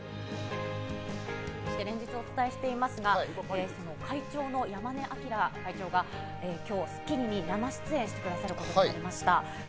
連日お伝えしていますが、会長の山根明会長が今日『スッキリ』に生出演してくださることになりました。